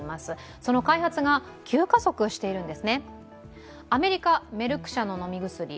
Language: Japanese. その開発が急加速しているんです。